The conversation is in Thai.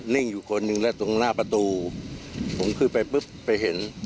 ่งอยู่คนหนึ่งแล้วตรงหน้าประตูผมขึ้นไปปุ๊บไปเห็น